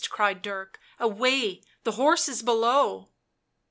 cried Dirk ;" away — the horse is below."